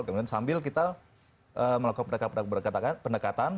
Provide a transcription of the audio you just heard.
kemudian sambil kita melakukan pendekatan